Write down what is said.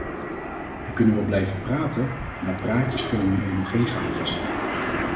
We kunnen wel blijven praten, maar praatjes vullen nu eenmaal geen gaatjes.